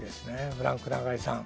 フランク永井さん。